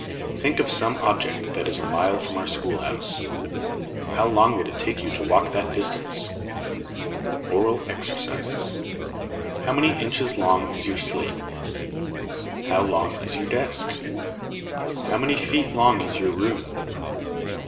Think of some object that is a mile from our schoolhouse. How long would it take you to walk that distance? [Illustration: MEASURING LONG DISTANCES.] ORAL EXERCISES. How many inches long is your slate? How long is your desk? How many feet long is your room?